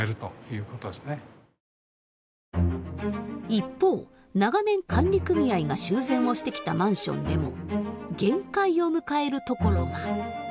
一方長年管理組合が修繕をしてきたマンションでも限界を迎えるところが。